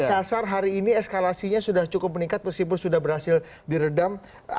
makassar hari ini eskalasinya sudah cukup meningkat meskipun sudah berhasil diredam